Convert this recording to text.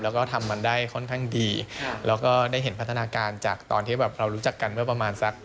แล้วก็ทำมันได้ค่อนข้างดีแล้วก็ได้เห็นพัฒนาการจากตอนที่แบบเรารู้จักกันเมื่อประมาณสัก